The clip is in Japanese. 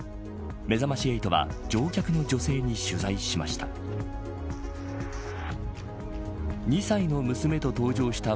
めざまし８は乗客の女性に取材しました。